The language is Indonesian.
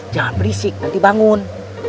jangan berisik nanti bangun